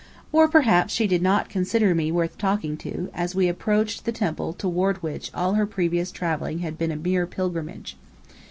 Or perhaps she did not consider me worth talking to, as we approached the temple toward which all her previous travelling had been a mere pilgrimage.